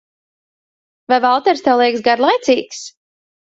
Vai Valters tev liekas garlaicīgs?